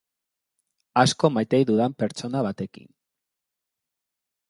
Asko maite dudan pertsona batekin.